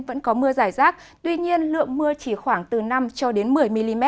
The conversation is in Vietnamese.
vẫn có mưa giải rác tuy nhiên lượng mưa chỉ khoảng từ năm một mươi mm